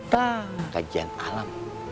tuh kajian alam